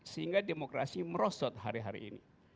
sehingga demokrasi merosot hari hari ini